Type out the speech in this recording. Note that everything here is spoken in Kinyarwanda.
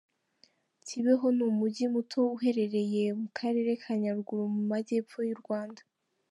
Kibeho ni umujyi muto uherereye mu karere ka Nyaruguru mu majyepfo y’u Rwanda.